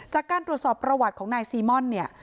จากการตรวจสอบประวัติของนายซีม่อนเนี่ย